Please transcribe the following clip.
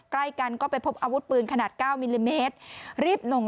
ใกล้กันก็ไปพบอาวุธปืนขนาด๙มิลลิเมตรรีบหลง